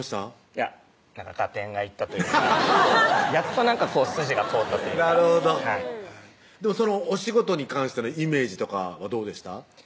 いや合点がいったというかやっとなんか筋が通ったというかなるほどそのお仕事に関してのイメージとかはどうでした？